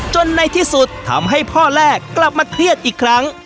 ในที่สุดทำให้พ่อแรกกลับมาเครียดอีกครั้ง